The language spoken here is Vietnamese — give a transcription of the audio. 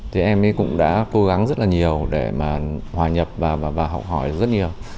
thì em ấy cũng đã cố gắng rất là nhiều để mà hòa nhập và học hỏi rất nhiều